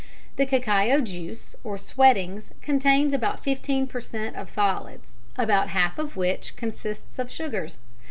The cacao juice or "sweatings" contains about fifteen per cent. of solids, about half of which consists of sugars.